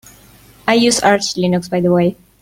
I use Arch Linux by the way.